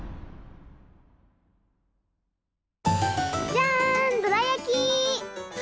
じゃんどらやき！